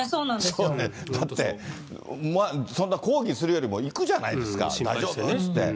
だって、そんな抗議するより行くじゃないですか、大丈夫っていって。